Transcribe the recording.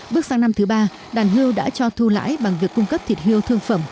bước sang năm thứ ba đàn hươu đã cho thu lãi bằng việc cung cấp thịt hươu thương phẩm